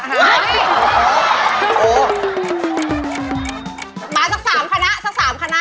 ใหม่เลข๒ค่ะ